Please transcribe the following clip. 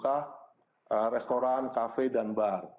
karena restoran kafe dan bar